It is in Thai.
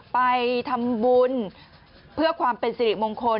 ไปทำบุญเพื่อความเป็นสิริมงคล